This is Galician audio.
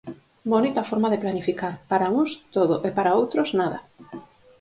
¡Bonita forma de planificar: para uns, todo e para outros, nada!